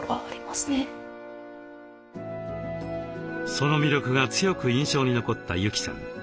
その魅力が強く印象に残った由季さん。